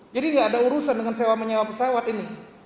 jadi enggak ada urusan dengan sewaan menyewa pesawat ini